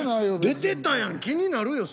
出てたやん気になるよ